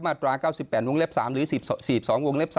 ตรา๙๘วงเล็บ๓หรือ๔๒วงเล็บ๓